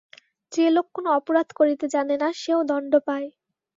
যে লোক কোনো অপরাধ করিতে জানে না, সেও দণ্ড পায়!